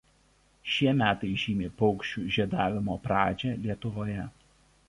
Šie metai žymi paukščių žiedavimo pradžią Lietuvoje.